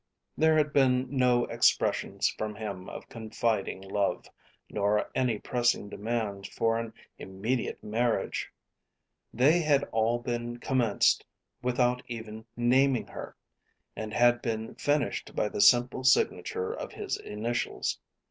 There had been no expressions from him of confiding love, nor any pressing demands for an immediate marriage. They had all been commenced without even naming her, and had been finished by the simple signature of his initials.